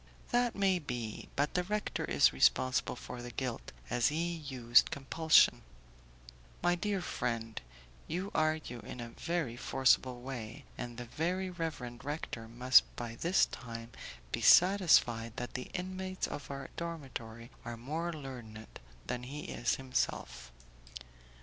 "That may be, but the rector is responsible for the guilt, as he used compulsion." "My dear friend, you argue in a very forcible way, and the very reverend rector must by this time be satisfied that the inmates of our dormitory are more learned than he is himself."